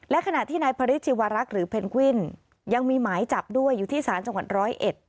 และขณะที่นายพระฤทธิวรักษ์หรือเพนกวินยังมีหมายจับด้วยอยู่ที่ศาลจังหวัดร้อยเอ็ด